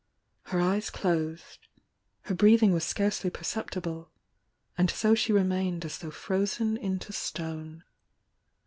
Her eyes closed — her breathing was scarcely perceptible — and so she remained as though frozen into stone.